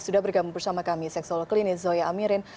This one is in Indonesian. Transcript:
sudah bergabung bersama kami seksual klinis zoya amirin